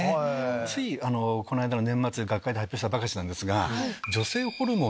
ついこの間の年末に学会で発表したばかりなんですが。